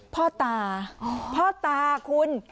พ่อตาพ่อตาคุณ